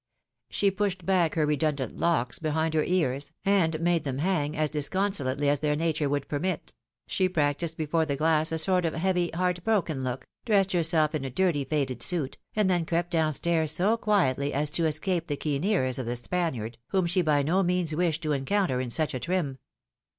She pushed back her redundant looks behind her ears, and made them hang as disconsolately as their nature would permit ; she practised before the glass a sort of heavy, heart broken look, dressed her self in a dirty faded suit, and then crept down stairs so quietly as to escape the keen ears of the Spaniard, whom she by no means wished to encounter in such a trim.